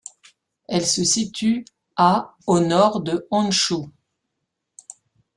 Elle se situe à au nord de Honshū.